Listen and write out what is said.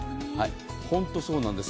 本当にそうなんですよ。